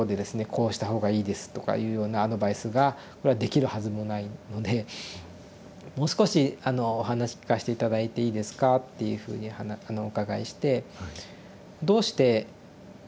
「こうした方がいいです」とかいうようなアドバイスができるはずもないので「もう少しお話聞かして頂いていいですか」っていうふうにお伺いして「どうして予後を聞きたいんですか？」